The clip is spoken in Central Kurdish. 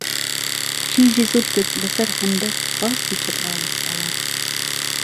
کیژی زولفت له سهر ههنبەت ڕاست و چەپ ڕاوهستاوه